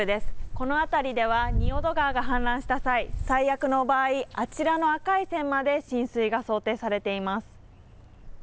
この辺りでは仁淀川が氾濫した際、最悪の場合、あちらの赤い線まで浸水が想定されています。